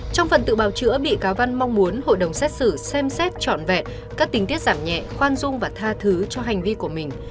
trong phần tự bào chữa bị cáo văn mong muốn hội đồng xét xử xem xét trọn vẹn các tình tiết giảm nhẹ khoan dung và tha thứ cho hành vi của mình